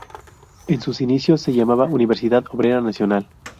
En sus inicios, se llamaba Universidad Obrera Nacional.